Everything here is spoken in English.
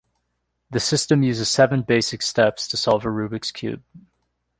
The system uses seven basic steps to solve a Rubik's Cube.